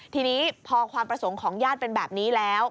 ทีนี้พอความประสงค์ของญาติเป็นแบบนี้แล้ว